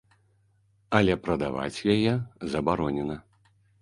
Але прадаваць яе забаронена.